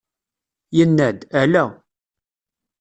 Yenna-d: ala!